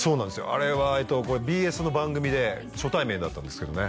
あれはＢＳの番組で初対面だったんですけどね